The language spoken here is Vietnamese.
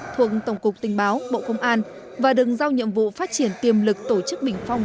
thuộc tổng cục tình báo bộ công an và đừng giao nhiệm vụ phát triển tiềm lực tổ chức bình phong